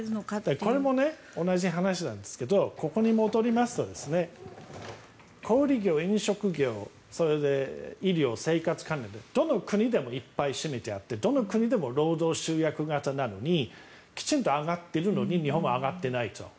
これも同じ話なんですけどここに戻りますと小売業、飲食業衣料、生活関連どの国でもいっぱい占めてあってどの国でも労働集約型なのにきちんと上がっているのに日本は上がっていないと。